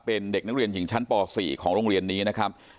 เป็นเด็กนักเรียนหญิงชั้นป๔ของโรงเรียนนี้นะครับ